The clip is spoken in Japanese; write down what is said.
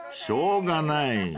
［しょうがない。